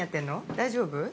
大丈夫？